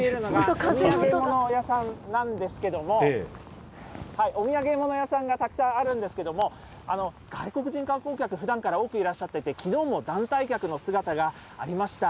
お土産物屋さんなんですけれども、お土産物屋さんがたくさんあるんですけれども、外国人観光客、ふだんから多くいらっしゃってて、きのうも団体客の姿がありました。